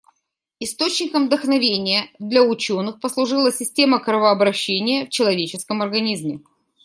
Источником вдохновения для учёных послужила система кровообращения в человеческом организме.